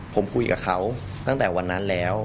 ผมคุยกับเขาตั้งแต่วันนั้นแล้ว